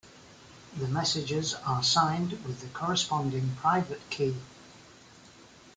The messages are signed with the corresponding private key.